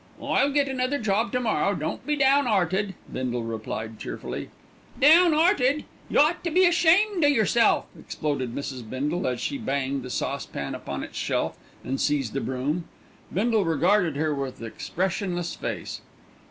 "I'll get another job to morrow; don't be down'earted," Bindle replied cheerfully. "Down'earted! Y' ought to be ashamed o' yerself," exploded Mrs. Bindle, as she banged the saucepan upon its shelf and seized a broom. Bindle regarded her with expressionless face.